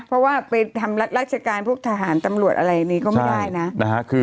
เราทำลักษการปินหรัฐก็ไม่ได้